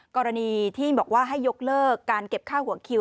กรณีที่บอกว่าให้ยกเลิกการเก็บค่าหัวคิว